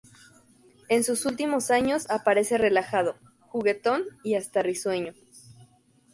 En sus últimos años aparece relajado, juguetón y hasta risueño.